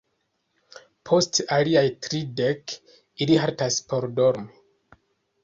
Post aliaj tridek ili haltas por dormi.